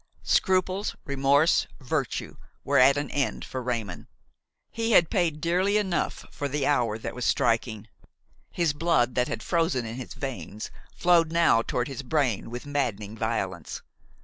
'" Scruples, remorse, virtue were at an end for Raymon; he had paid dearly enough for the hour that was striking. His blood that had frozen in his veins flowed now toward his brain with maddening violence.